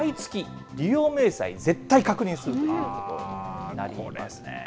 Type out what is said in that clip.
毎月、利用明細、絶対確認するということになりますね。